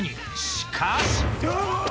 しかし。